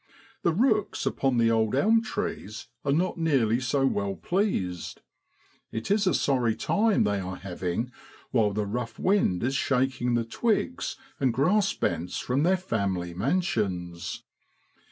The rooks upon the old elm trees are not nearly so well pleased. It is a sorry time they are having while the rough wind is shaking the twigs and grass bents from their family mansions.